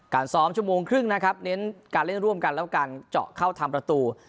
ซ้อมชั่วโมงครึ่งนะครับเน้นการเล่นร่วมกันแล้วการเจาะเข้าทำประตู